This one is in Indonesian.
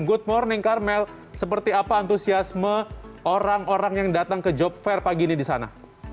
good morning karmel seperti apa antusiasme orang orang yang datang ke job fair pagi ini di sana